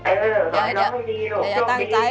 เออร้องดีดูช่วงดี